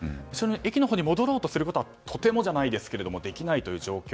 駅のほうに戻ろうとすることはとてもじゃないですができない状況。